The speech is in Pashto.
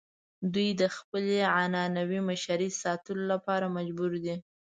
دوی د خپلې عنعنوي مشرۍ ساتلو لپاره مجبور دي.